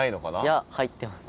いや入ってます。